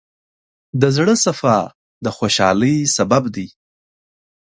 د زړۀ صفا د خوشحالۍ سبب دی.